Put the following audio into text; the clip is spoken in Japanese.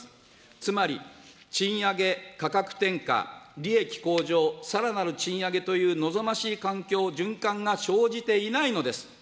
つまり、賃上げ、価格転嫁、利益向上、さらなる賃上げという、望ましい環境、循環が生じていないのです。